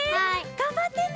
がんばってね。